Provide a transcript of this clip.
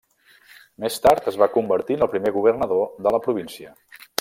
Més tard es va convertir en el primer governador de la província.